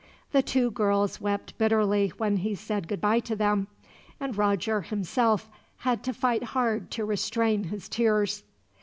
The two girls wept bitterly when he said goodbye to them, and Roger, himself, had to fight hard to restrain his tears.